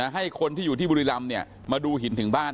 ให้คนที่อยู่ที่บุรีรำมาดูหินถึงบ้าน